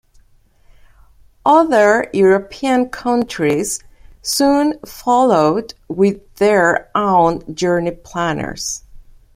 Other European countries soon followed with their own journey planners.